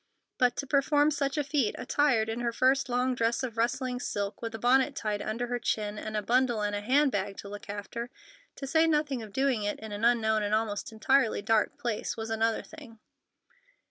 But to perform such a feat attired in her first long dress of rustling silk, with a bonnet tied under her chin, and a bundle and hand bag to look after—to say nothing of doing it in an unknown and almost entirely dark place—was another thing.